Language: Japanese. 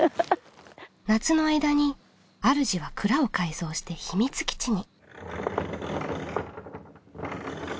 夏の間にあるじは蔵を改造して秘密基地に。